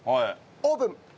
オープン。